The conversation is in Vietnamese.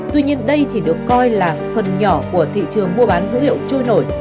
tuy nhiên đây chỉ được coi là phần nhỏ của thị trường mua bán dữ liệu trôi nổi